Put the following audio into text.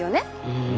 うん。